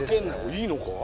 いいのか？